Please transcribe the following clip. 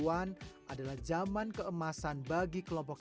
periode seribu sembilan ratus sembilan puluh an adalah zaman keemasan bagi kelompok ini